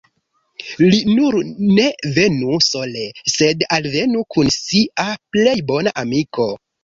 Li nur ne venu sole, sed alvenu kun sia plej bona amiko.